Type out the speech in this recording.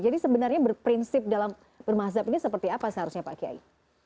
jadi sebenarnya berprinsip dalam bermazhab ini seperti apa seharusnya pak kyai